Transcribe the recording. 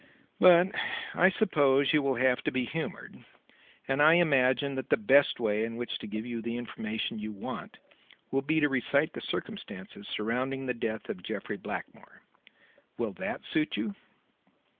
But I suppose you will have to be humoured; and I imagine that the best way in which to give you the information you want will be to recite the circumstances surrounding the death of Jeffrey Blackmore. Will that suit you?"